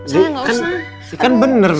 saya gak usah